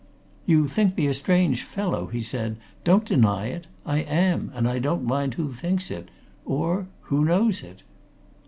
"You think me a strange fellow," he said. "Don't deny it! I am, and I don't mind who thinks it. Or who knows it."